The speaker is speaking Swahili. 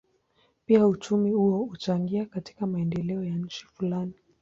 Pia uchumi huo huchangia katika maendeleo ya nchi fulani.